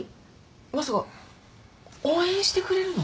まさか応援してくれるの？